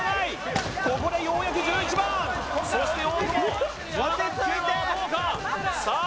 ここでようやく１１番そして大久保９番はどうかさあ